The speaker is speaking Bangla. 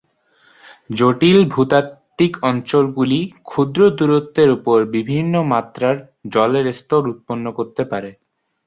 জটিল ভূতাত্ত্বিক অঞ্চলগুলি ক্ষুদ্র দূরত্বের উপর বিভিন্ন মাত্রার জলের স্তর উৎপন্ন করতে পারে।